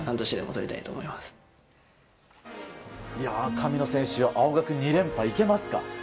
神野選手、青学２連覇いけますか？